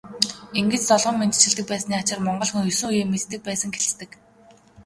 Ингэж золгон мэндчилдэг байсны ачаар монгол хүн есөн үеэ мэддэг байсан гэлцдэг.